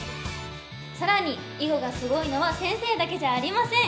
さらに囲碁がすごいのは先生だけじゃありません！